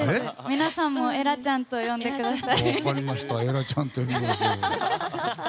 皆さんもエラちゃんと呼んでください。